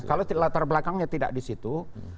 kalau latar belakangnya tidak di situ